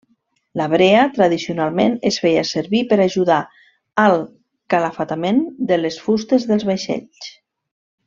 La brea tradicionalment es feia servir per ajudar al calafatament de les fustes dels vaixells.